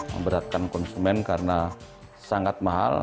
memberatkan konsumen karena sangat mahal